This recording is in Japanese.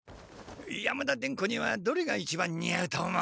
山田伝子にはどれが一番に合うと思う？